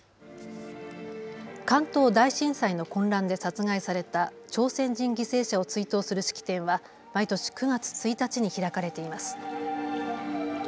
関東大震災の混乱で殺害された朝鮮人犠牲者を追悼する式典は毎年９月１日に開かれています。